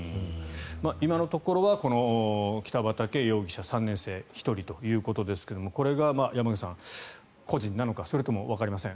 今のところは北畠容疑者３年生１人ということですがこれが山口さん、個人なのかそれともわかりません